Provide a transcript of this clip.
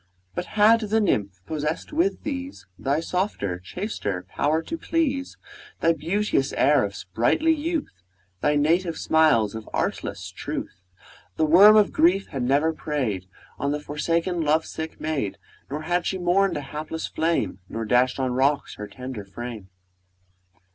2 But had the nymph possess'd with these Thy softer, chaster power to please, Thy beauteous air of sprightly youth, Thy native smiles of artless truth 3 The worm of grief had never prey'd On the forsaken love sick maid; Nor had she mourn'd a hapless flame, Nor dash'd on rocks her tender frame.